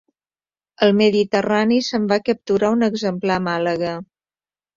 Al Mediterrani se'n va capturar un exemplar a Màlaga.